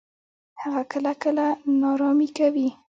هغه کله کله ناړامي کوي.